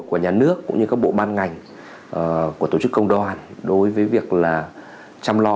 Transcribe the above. của nhà nước cũng như các bộ ban ngành của tổ chức công đoàn đối với việc là chăm lo